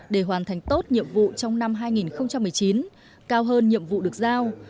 để hoàn thành tốt nhiệm vụ trong năm hai nghìn một mươi chín cao hơn nhiệm vụ được giao